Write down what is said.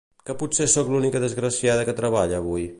Que potser sóc l'única desgraciada que treballa avui?